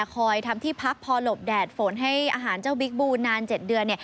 ทำที่พักพอหลบแดดฝนให้อาหารเจ้าบิ๊กบูนาน๗เดือน